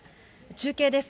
中継です。